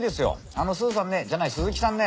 あのスーさんねじゃない鈴木さんね